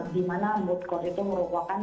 di mana good court itu merupakan